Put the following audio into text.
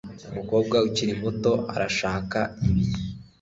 Umukobwa ukiri muto arashaka ibi